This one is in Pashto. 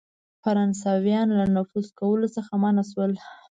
فرانسیویان له نفوذ کولو څخه منع سول.